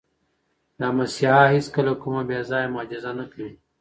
دا مسیحا هیڅکله کومه بې ځایه معجزه نه کوي.